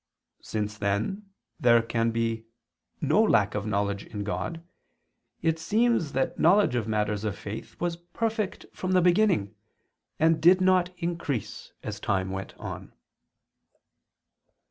Since then there can be no lack of knowledge in God, it seems that knowledge of matters of faith was perfect from the beginning and did not increase as time went on.